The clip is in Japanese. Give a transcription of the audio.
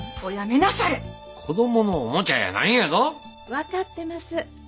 分かってます。